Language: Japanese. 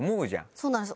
そうなんですよ。